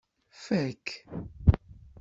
Fak.